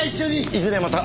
いずれまた！